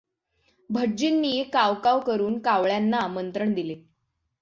भटजींनी काव काव करून कावळ्यांना आमंत्रण दिले.